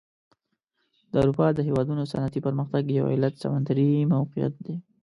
د اروپا د هېوادونو صنعتي پرمختګ یو علت سمندري موقعیت دی.